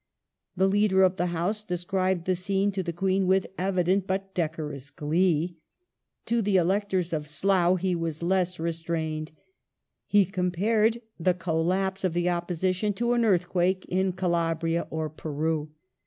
The Leader of the House described the scene to the Queen with evident but decorous glee :^ to the electors of Slough he was less restrained. He com pared the collapse of the opposition to an earthquake in Calabria or Peru.